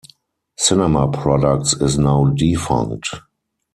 Cinema Products is now defunct.